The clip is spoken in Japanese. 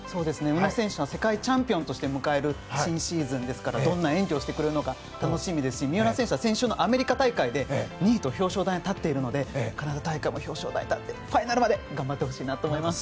宇野選手は世界チャンピオンとして迎える新シーズンですからどんな演技をしてくれるのか楽しみですし三浦選手は選手のアメリカ大会で２位と表彰台に立っているので、カナダ大会も表彰台に立ってファイナルまで頑張ってほしいと思います。